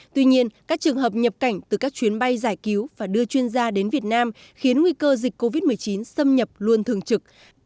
tuy nhiên các trường hợp nhập cảnh từ các chuyến bay giải cứu và đưa chuyên gia đến việt nam khiến nguy cơ dịch covid một mươi chín xâm nhập luôn thường trực